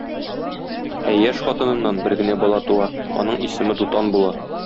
Ә яшь хатыныннан бер генә бала туа, аның исеме Дутан була.